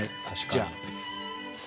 じゃあ次。